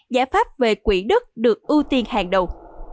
giải pháp về quỹ đất được ưu tiên hàng đầu